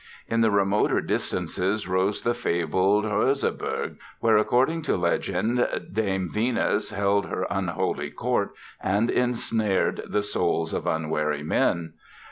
In the remoter distances rose the fabled Hörselberg, where according to legend Dame Venus held her unholy court and ensnared the souls of unwary men.